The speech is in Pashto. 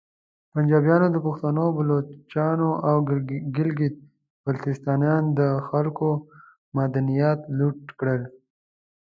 پنجابیانو د پختنو، بلوچانو او ګلګیت بلتیستان د خلکو معدنیات لوټ کړل